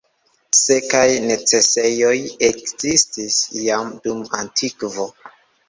Sekaj necesejoj ekzistis jam dum antikvo.